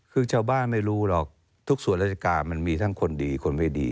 คือชาวบ้านไม่รู้หรอกทุกส่วนราชการมันมีทั้งคนดีคนไม่ดี